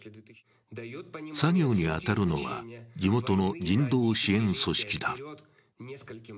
作業に当たるのは地元の人道支援組織だ。